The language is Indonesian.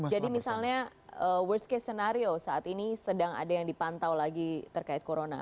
misalnya worst case scenario saat ini sedang ada yang dipantau lagi terkait corona